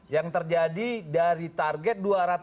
yang terjadi dari target dua ratus tiga puluh dua dua ratus empat belas